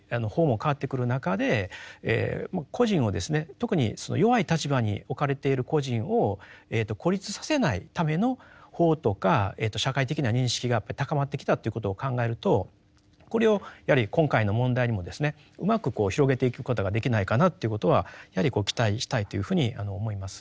特にその弱い立場に置かれている個人を孤立させないための法とか社会的な認識が高まってきたということを考えるとこれをやはり今回の問題にもですねうまく広げていくことができないかなということはやはり期待したいというふうに思います。